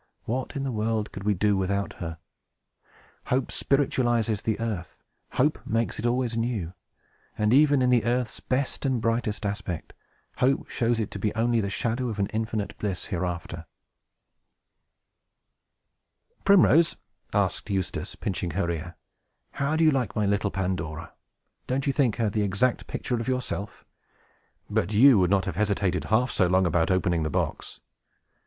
What in the world could we do without her? Hope spiritualizes the earth; Hope makes it always new; and, even in the earth's best and brightest aspect, Hope shows it to be only the shadow of an infinite bliss hereafter. TANGLEWOOD PLAY ROOM AFTER THE STORY "Primrose," asked Eustace, pinching her ear, "how do you like my little Pandora? Don't you think her the exact picture of yourself? But you would not have hesitated half so long about opening the box."